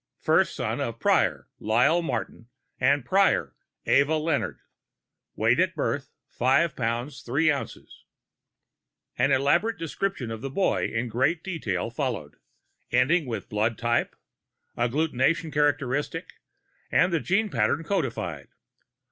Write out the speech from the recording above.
First son of Prior, Lyle Martin and Prior, Ava Leonard. Wgt. at birth 5lb. 3oz._ An elaborate description of the boy in great detail followed, ending with blood type, agglutinating characteristic, and gene pattern, codified.